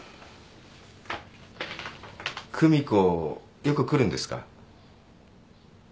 久美子よく来るんですか？